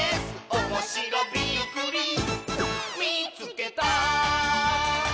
「おもしろびっくりみいつけた！」